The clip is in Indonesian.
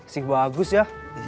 sik bagus ya